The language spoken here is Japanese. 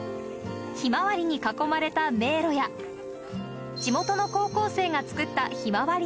ヒマワリに囲まれた迷路や、地元の高校生が作ったひまわり